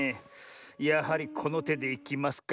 やはりこのてでいきますか。